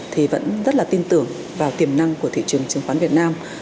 thì vẫn rất là tin tưởng vào tiềm năng của thị trường chứng khoán việt nam